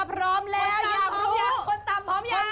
พร้อมแล้วอยากรู้ยังคนต่ำพร้อมยัง